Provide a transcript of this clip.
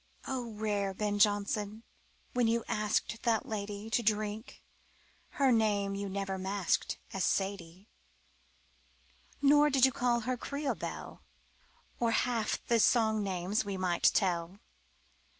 O rare Ben Jonson, when you asked That lady To drink, her name you never masked As "Sadie," Nor did you call her "Creole Belle" Or half the song names we might tell.